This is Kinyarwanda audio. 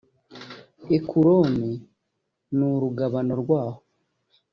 ekuroni n urugabano rwaho